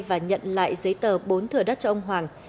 và nhận lại giấy tờ bốn thừa đất cho ông hoàng